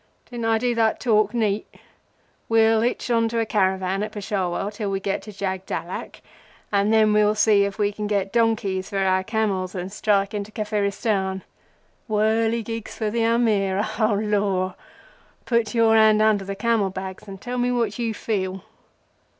Didn't I do that talk neat? We'll hitch on to a caravan at Peshawar till we get to Jagdallak, and then we'll see if we can get donkeys for our camels, and strike into Kafiristan. Whirligigs for the Amir, O Lor! Put your hand under the camel bags and tell me what you feel."